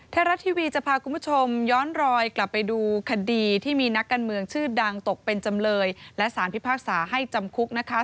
ไทยรัฐทีวีจะพาคุณผู้ชมย้อนรอยกลับไปดูคดีที่มีนักการเมืองชื่อดังตกเป็นจำเลยและสารพิพากษาให้จำคุกนะคะ